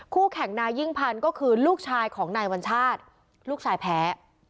คู่แข่งนายยิ่งพันธ์ก็คือลูกชายของนายวัญชาติลูกชายแพ้